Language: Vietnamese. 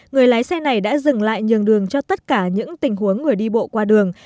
người lái xe này đã dừng lại nhường đường cho tất cả những tình huống người đi bộ qua đường